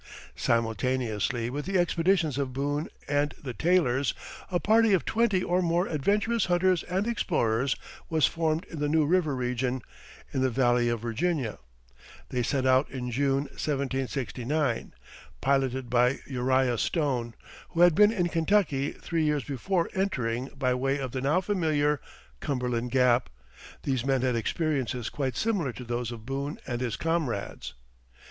Simultaneously with the expeditions of Boone and the Taylors, a party of twenty or more adventurous hunters and explorers was formed in the New River region, in the Valley of Virginia. They set out in June (1769), piloted by Uriah Stone, who had been in Kentucky three years before. Entering by way of the now familiar Cumberland Gap, these men had experiences quite similar to those of Boone and his comrades.